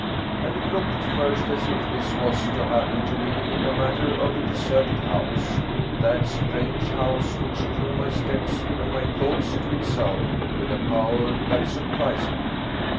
And it looked at first as if this was to happen to me in the matter of the deserted house, that strange house which drew my steps and my thoughts to itself with a power that surprised me.